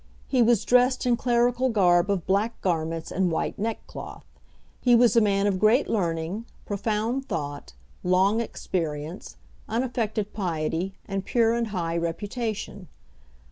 He was dressed in clerical garb of black garments and white neckcloth. He was a man of great learning, profound thought, long experience, unaffected piety, and pure and high reputation.